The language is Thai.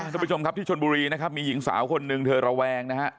ทุกผู้ชมครับที่ชนบุรีนะครับมีหญิงสาวคนหนึ่งเธอระแวงนะฮะ